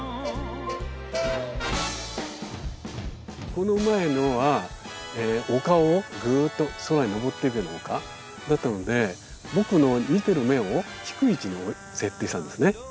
この前のは丘をぐーっと空にのぼっていくような丘だったので僕の見てる目を低い位置に設定したんですね。